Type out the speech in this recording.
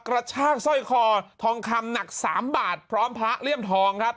กระชากสร้อยคอทองคำหนักสามบาทพร้อมพระเลี่ยมทองครับ